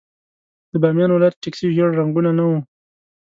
د بامیان ولايت ټکسي ژېړ رنګونه نه وو.